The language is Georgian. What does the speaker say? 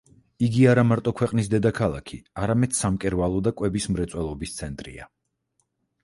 იგი არა მარტო ქვეყნის დედაქალაქი, არამედ სამკერვალო და კვების მრეწველობის ცენტრია.